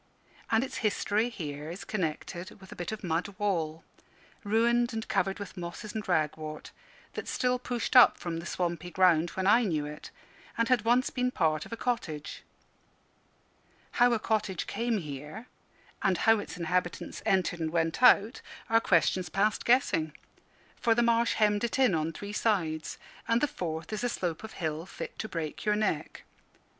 And its history here is connected with a bit of mud wall, ruined and covered with mosses and ragwort, that still pushed up from the swampy ground when I knew it, and had once been part of a cottage. How a cottage came here, and how its inhabitants entered and went out, are questions past guessing; for the marsh hemmed it in on three sides, and the fourth is a slope of hill fit to break your neck.